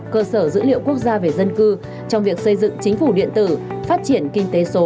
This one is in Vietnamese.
cơ sở dữ liệu quốc gia về dân cư trong việc xây dựng chính phủ điện tử phát triển kinh tế số xã hội số